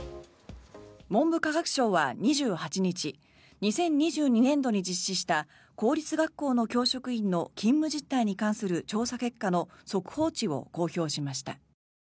文部科学省は２８日２０２０年度に実施した公立学校の教職員の勤務実態に関する調査結果の速報値を公表しました。